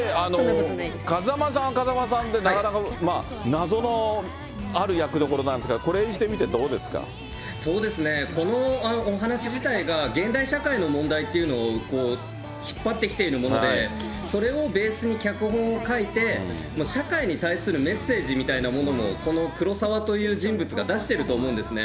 風間さんは風間さんで、なかなか謎のある役どころなんですが、そうですね、このお話自体が、現代社会の問題というのを引っ張ってきているもので、それをベースに脚本を書いて、社会に対するメッセージみたいなものも、この黒澤という人物が出してると思うんですね。